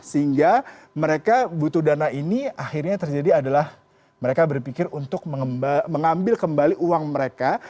sehingga mereka butuh dana ini akhirnya terjadi adalah mereka berpikir untuk mengambil kembali uang mereka